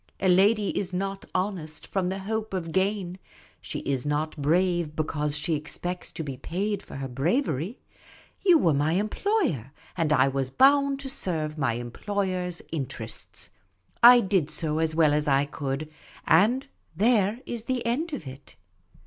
A lady is not honest from the hope of gain ; she is not brave because she expects to be paid for her bravery. You were my employer, and I was bound to serve my employer's interests. I did so as well as I could, and there is the end of it.